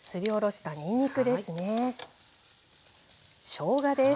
しょうがです。